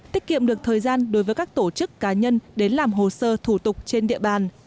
tiết kiệm được thời gian đối với các tổ chức cá nhân đến làm hồ sơ thủ tục trên địa bàn